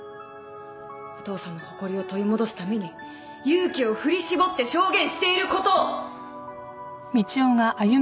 お父さんの誇りを取り戻すために勇気を振り絞って証言していることを！